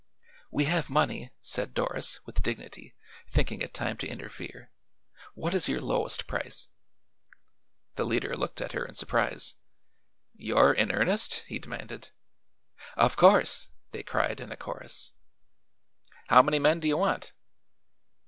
"We have money," said Doris, with dignity, thinking it time to interfere. "What is your lowest price?" The leader looked at her in surprise. "You're in earnest?" he demanded. "Of course!" they cried in a chorus. "How many men do you want?"